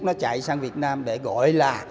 nó chạy sang việt nam để gọi là